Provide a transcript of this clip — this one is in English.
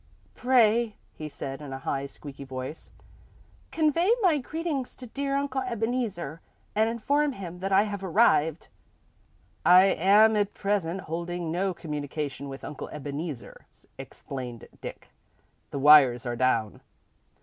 "Pray," he said, in a high, squeaky voice, "convey my greetings to dear Uncle Ebeneezer, and inform him that I have arrived." "I am at present holding no communication with Uncle Ebeneezer," explained Dick. "The wires are down."